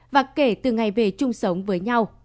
và kể từ ngày về chung sống với nhau